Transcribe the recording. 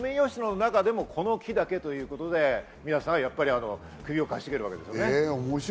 ソメイヨシノの中でも、この木だけということで、皆さんはやっぱり首をかしげるわけです。